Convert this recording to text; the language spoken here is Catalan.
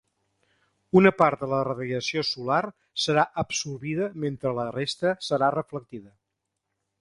Una part de la radiació solar serà absorbida mentre la resta serà reflectida.